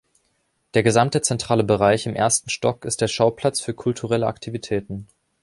Der gesamte zentrale Bereich im ersten Stock ist der Schauplatz für kulturelle Aktivitäten.